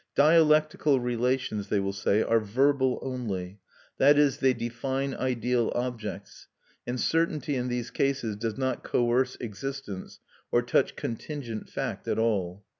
Dialectical relations, they will say, are verbal only; that is, they define ideal objects, and certainty in these cases does not coerce existence, or touch contingent fact at all.